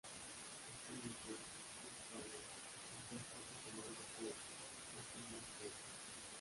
Asimismo, Chris Parnell interpreta a su marido Fred, más "normal" que ella.